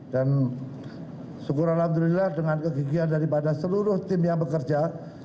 dan syukur alhamdulillah dengan kegigian daripada seluruh tim yang bekerja